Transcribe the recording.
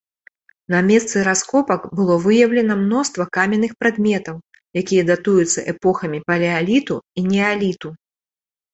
На месцы раскопак было выяўлена мноства каменных прадметаў, якія датуюцца эпохамі палеаліту і неаліту.